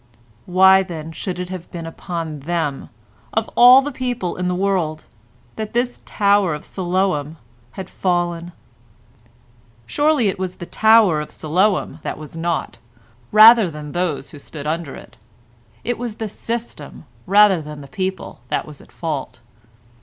Why then should it have been upon them, of all people in the world, that this tower of Siloam had fallen? Surely it was the tower of Siloam that was naught rather than those who stood under it; it was the system rather than the people that was at fault.